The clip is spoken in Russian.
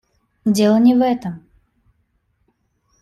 Дело не в этом.